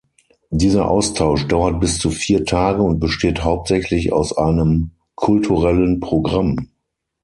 Dieser Austausch dauert bis zu vier Tage und besteht hauptsächlich aus einem kulturellen Programm.